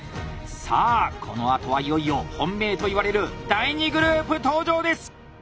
さあこの後はいよいよ本命といわれる第２グループ登場です！